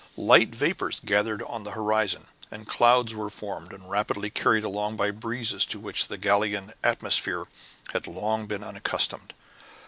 Light vapors gathered on the horizon, and clouds were formed and carried rapidly along by breezes to which the Gallian atmosphere had long been unaccustomed.